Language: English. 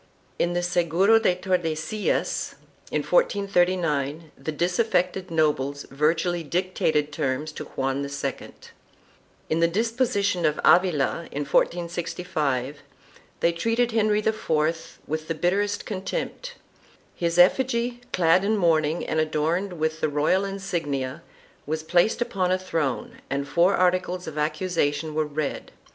In the Seguro de Tordesillas, in 1439, the dis affected nobles virtually dictated terms to Juan II.1 In the Deposition of Avila, in 1465, they treated Henry IV with the bitterest contempt. His effigy, clad in mourning and adorned with .the royal insignia, was placed upon a throne and four articles of accusation were read.